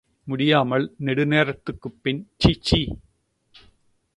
முடியாமல் நெடுநேரத்துக்குப் பின், சீசீ!